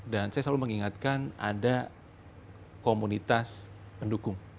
dan saya selalu mengingatkan ada komunitas pendukung